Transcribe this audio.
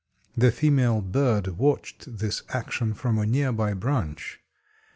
The female bird watched this action from a nearby branch.